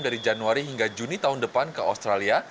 dari januari hingga juni tahun depan ke australia